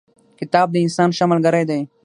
کتاب د انسان ښه ملګری دی.